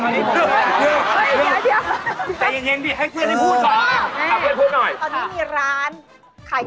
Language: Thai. เดี๋ยว